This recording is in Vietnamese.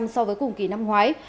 so với cùng kỳ năm ngoái